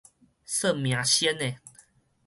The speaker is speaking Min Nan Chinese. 算命仙的